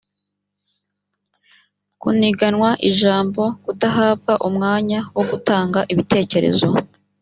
kuniganwa ijambo kudahabwa umwanya wo gutanga ibitekerezo